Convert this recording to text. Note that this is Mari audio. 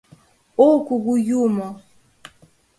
О Кугу Юмо!